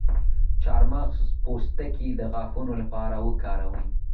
د چارمغز پوستکی د غاښونو لپاره وکاروئ